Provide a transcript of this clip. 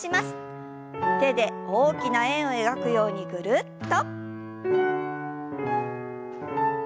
手で大きな円を描くようにぐるっと。